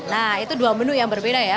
nah itu dua menu yang berbeda ya